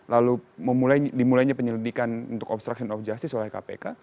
lalu dimulainya penyelidikan untuk obstruction of justice oleh kpk